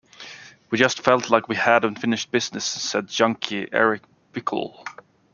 "We just felt like we had unfinished business," said Junkie Eric Bickel.